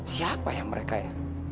siapa yang mereka ya